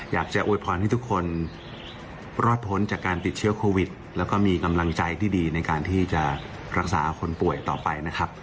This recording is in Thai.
โวยพรให้ทุกคนรอดพ้นจากการติดเชื้อโควิดแล้วก็มีกำลังใจที่ดีในการที่จะรักษาคนป่วยต่อไปนะครับ